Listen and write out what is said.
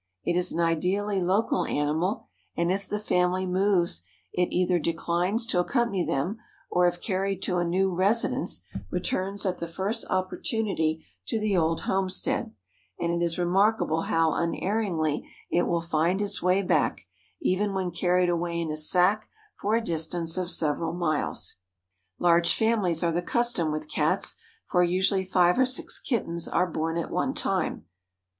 It is an ideally local animal, and if the family moves it either declines to accompany them, or, if carried to a new residence, returns at the first opportunity to the old homestead; and it is remarkable how unerringly it will find its way back, even when carried away in a sack for a distance of several miles." Large families are the custom with Cats, for usually five or six kittens are born at one time.